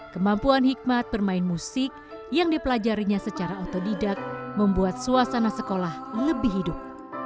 kemampuan hikmat bermain musik yang dipelajarinya secara otodidak membuat suasana sekolah lebih hidup